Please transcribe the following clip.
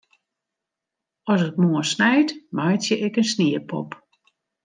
As it moarn snijt, meitsje ik in sniepop.